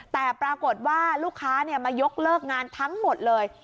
แต่ปรากฏว่าลูกค้ามายกเลิกงานทั้งหมดเลย